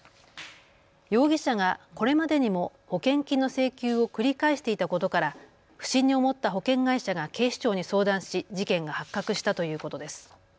容疑者がこれまでにも保険金の請求を繰り返していたことから不審に思った保険会社が警視庁に相談し事件が発覚したということです。